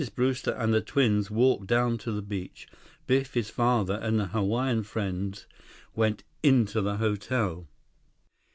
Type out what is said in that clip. Brewster and the twins walked down to the beach. Biff, his father, and their Hawaiian friend went into the hotel.